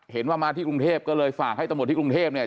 เห็นว่ามาที่กรุงเทพก็เลยฝากให้ตำรวจที่กรุงเทพเนี่ย